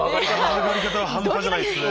上がり方は半端じゃないっすね。